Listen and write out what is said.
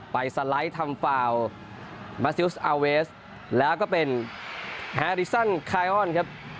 สไลด์ทำฟาวมาซิลสอาเวสแล้วก็เป็นแฮริซันไคออนครับ